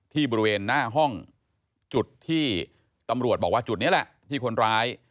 บริเวณหน้าห้องจุดที่ตำรวจบอกว่าจุดนี้แหละที่คนร้าย